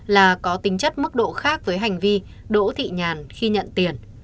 là có tính chất mức độ khác với hành vi đỗ thị nhàn khi nhận tiền